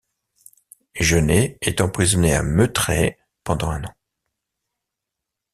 Genet est emprisonné à Mettray pendant un an.